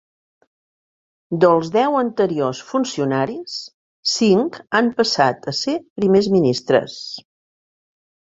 Dels deu anteriors funcionaris, cinc han passat a ser primers ministres.